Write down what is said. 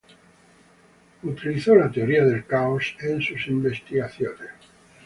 Utilizó la teoría del caos en sus investigaciones.